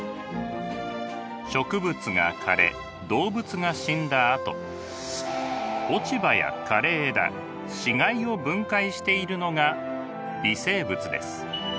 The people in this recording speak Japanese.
植物が枯れ動物が死んだあと落葉や枯れ枝死骸を分解しているのが微生物です。